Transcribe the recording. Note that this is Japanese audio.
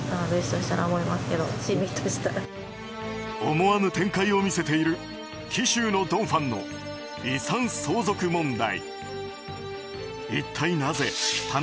思わぬ展開を見せている紀州のドン・ファンの遺産相続問題。